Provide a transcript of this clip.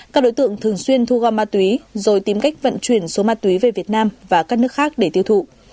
các đối tượng thường xuyên thu gom ma túy rồi tìm cách vận chuyển số ma túy về việt nam và các nước khác để tiêu thụ